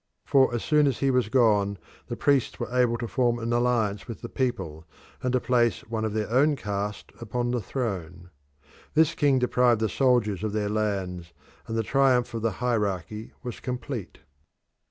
For as soon as he was gone the priests were able to form an alliance with the people, and to place one of their own caste upon the throne. This king deprived the soldiers of their lands, and the triumph of the hierarchy was complete.